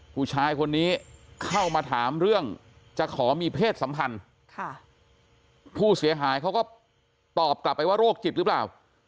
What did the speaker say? ผู้ชายคนนี้เข้ามาถามเรื่องจะขอมีเพศสัมพันธ์ผู้เสียหายเขาก็ตอบกลับไปว่าโรคจิตหรือเปล่า